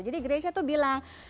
jadi greysha tuh bilang